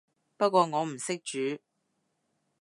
不過我唔識煮